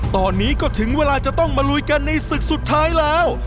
ตอนนี้ก็ถึงเวลาจะต้องมาลุยกันในศึกสุดท้ายแล้ว